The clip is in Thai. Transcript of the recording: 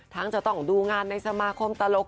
จะต้องดูงานในสมาคมตลก